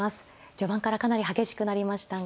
序盤からかなり激しくなりましたが。